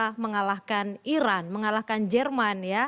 kita mengalahkan iran mengalahkan jerman ya